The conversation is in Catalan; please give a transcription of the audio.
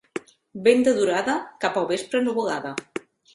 Vent de durada, cap al vespre nuvolada.